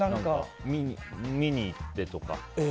見に行ってとか。